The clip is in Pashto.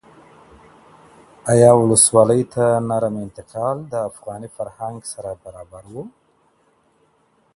ایا ولسواکۍ ته نرم انتقال د افغاني فرهنګ سره برابر و؟